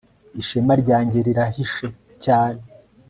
Ishema ryanjye rirahishe cyane